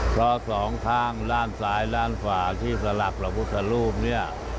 เพราะสองข้างด้านซ้ายด้านขวาที่สลับพระพุทธรูปเนี่ย